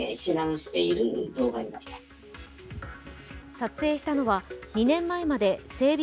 撮影したのは２年前まで整備